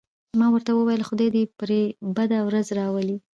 ما ورته وویل: خدای دې پرې بده ورځ راولي.